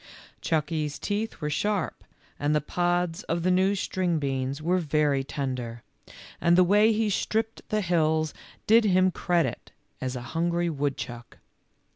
Chucky's teeth were sharp, and the pods of the new string beans were very tender, and the CHUCKY'S LAST BREAKFAST. 37 way he stripped the hills did him credit as a hun gry woodchuck.